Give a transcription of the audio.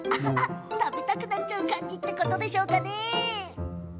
食べたくなっちゃうという感じでしょうかね。